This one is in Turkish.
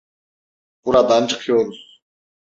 Buradan çıkıyoruz.